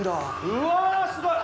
うわすごい！